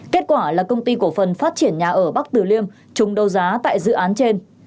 kết quả là công ty cổ phần phát triển nhà ở bắc tử liêm chung đấu giá tại dự án trên